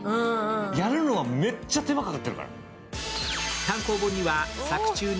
やるのは、めっちゃ手間がかかってから。